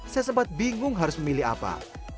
saya sempat bingung harus memilih apa